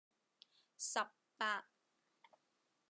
十八